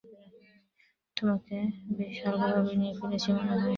তোমাকে বেশ হালকাভাবেই নিয়ে ফেলেছি মনে হয়।